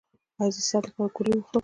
ایا زه د سر درد لپاره ګولۍ وخورم؟